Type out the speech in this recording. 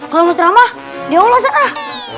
kalau mau ceramah dia ulasan lah